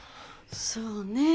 そうね。